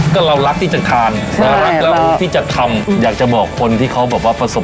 ก็เรารักที่จะทานรักแล้วที่จะทำอยากจะบอกคนที่เขาแบบว่าผสม